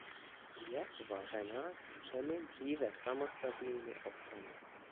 Je tvořena třemi dříve samostatnými obcemi.